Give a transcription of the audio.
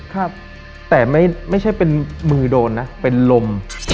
ครับแต่ไม่ใช่เป็นมือโดนนะเป็นลม